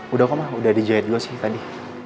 udah kok mah udah di jahit juga sih tadi